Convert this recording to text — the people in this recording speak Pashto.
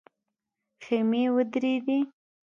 خيمې ودرېدې.